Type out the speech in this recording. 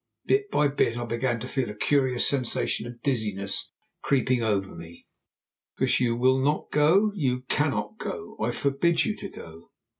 Bit by bit I began to feel a curious sensation of dizziness creeping over me. "Because you will not go. You cannot go. I forbid you to go."